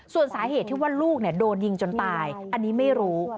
ส่วนสาเหตุที่ว่าลูกโดนยิงจนตายอันนี้ไม่รู้